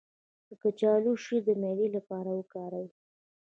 د کچالو شیره د معدې لپاره وکاروئ